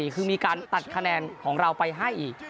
คือมีการตัดคะแนนของเราไปให้อีก